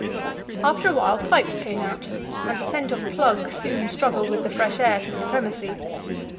After a while pipes came out, and the scent of "plug" soon struggled with the fresh air for supremacy.